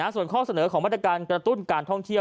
ส่วนข้อเสนอของมาตรการกระตุ้นการท่องเที่ยว